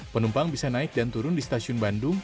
penumpang bisa naik dan turun di stasiun bandung